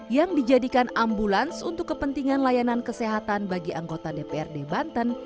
yang dijadikan ambulans untuk kepentingan layanan kesehatan bagi anggota dprd banten